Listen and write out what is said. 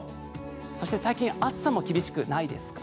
そして最近暑さも厳しくないですか？